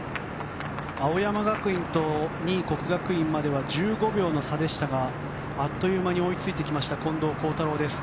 青山学院と２位、國學院までの差は１５秒の差でしたがあっという間に追いついてきました近藤幸太郎です。